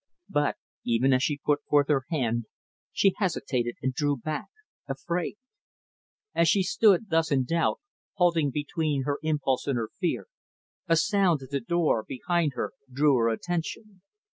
But, even as she put forth her hand, she hesitated and drew back, afraid. As she stood thus in doubt halting between her impulse and her fear a sound at the door behind her drew her attention.